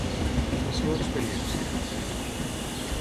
Per la seva experiència...